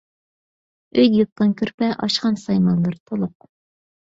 ئۆيدە يوتقان-كۆرپە، ئاشخانا سايمانلىرى تولۇق.